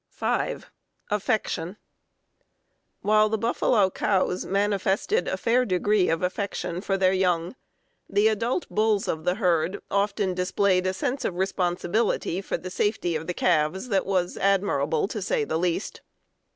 (5) Affection. While the buffalo cows manifested a fair degree of affection for their young, the adult bulls of the herd often displayed a sense of responsibility for the safety of the calves that was admirable, to say the least.